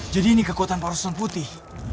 jadi ini kekuatan parusan putih